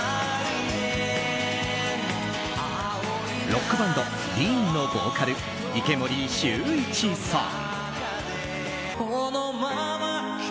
ロックバンドＤＥＥＮのボーカル池森秀一さん。